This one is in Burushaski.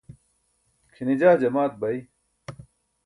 kʰine jaa jamaat bay